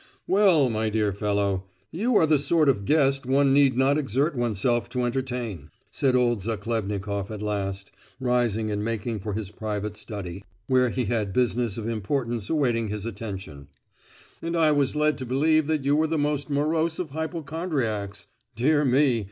"Well, my dear fellow, you are the sort of guest one need not exert oneself to entertain," said old Zachlebnikoff at last, rising and making for his private study, where he had business of importance awaiting his attention; "and I was led to believe that you were the most morose of hypochondriacs. Dear me!